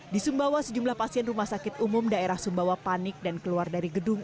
di sumbawa sejumlah pasien rumah sakit umum daerah sumbawa panik dan keluar dari gedung